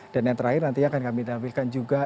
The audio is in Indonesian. dan yang terakhir nanti akan kami tampilkan juga